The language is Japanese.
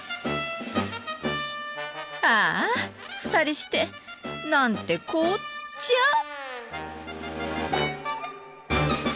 ああ２人してなんてこっチャ！